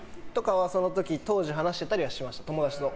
その時、当時話してたりはしました。